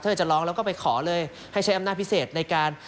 จะร้องแล้วก็ไปขอเลยให้ใช้อำนาจพิเศษในการ